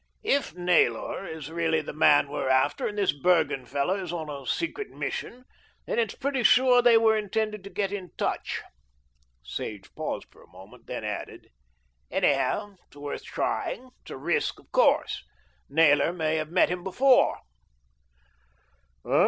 "If Naylor is really the man we're after and this Bergen fellow is on a secret mission, then it's pretty sure they were intended to get into touch." Sage paused for a moment, then added: "Anyhow, it's worth trying. It's a risk, of course. Naylor may have met him before."